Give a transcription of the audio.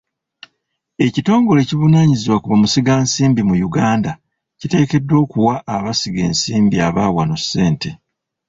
Ekitongole ekivunaanyizibwa ku bamusigansimbi mu Uganda kiteekeddwa okuwa abasiga nsimbi aba wano ssente.